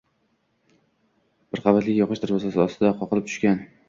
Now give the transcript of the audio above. Bir qavatli yog‘och darvozasi ostida qoqilib tushgan